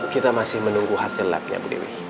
kita masih menunggu hasil lab nya bu dewi